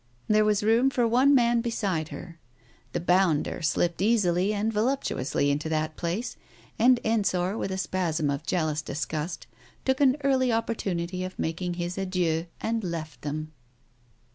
There was room for one man beside her. The bounder slipped easily and voluptuously into that place, and Ensor with a spasm of jealous disgust, took an early opportunity of making his adieux, and left them.